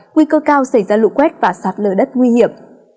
nguy cơ cao xảy ra lũ quét và sạt lở đất nguy hiểm